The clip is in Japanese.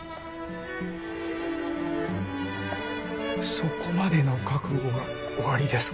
そこまでの覚悟がおありですか。